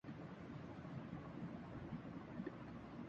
عدالت نے مقدمے کی سماعت آئندہ ہفتے تک ملتوی کر دی ہے